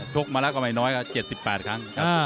กมาแล้วก็ไม่น้อยก็๗๘ครั้ง